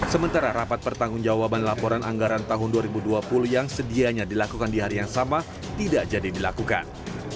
sementara rapat pertanggung jawaban laporan anggaran tahun dua ribu dua puluh yang sedianya dilakukan di hari yang sama tidak jadi dilakukan